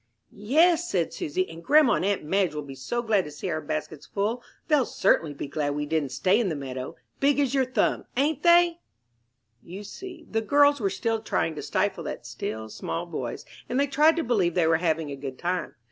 "Yes," said Susy, "and grandma and aunt Madge will be so glad to see our baskets full they'll certainly be glad we didn't stay in the meadow. Big as your thumb, ain't they?" [Illustration: FLYING FROM THE FIELD.] You see the girls were trying to stifle that still, small voice, and they tried to believe they were having a good time.